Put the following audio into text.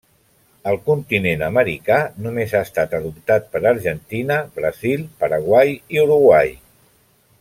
Al continent americà només ha estat adoptat per Argentina, Brasil, Paraguai i Uruguai.